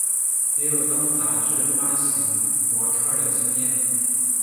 也有当杂志发型模特儿的经验。